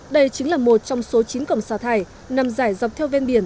đây chính là một trong số chín cổng xả thải nằm dài dọc theo ven biển